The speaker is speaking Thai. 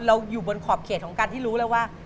อยู่บนขอบเขตของการที่รู้แล้วว่า